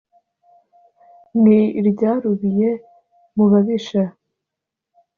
Ni iryarubiye mu babisha,